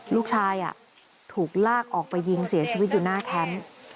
ลูกชายถูกลากออกไปยิงเสียชีวิตอยู่หน้าแคมป์